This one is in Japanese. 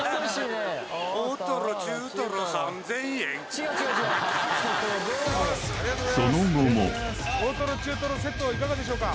違う違う違うその後も大トロ中トロセットはいかがでしょうか？